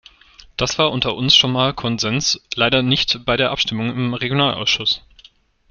Das war unter uns schon mal Konsens leider nicht bei der Abstimmung im Regionalausschuss!